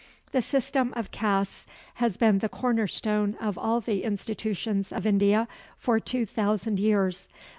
The system of castes has been the corner stone of all the institutions of India for two thousand years.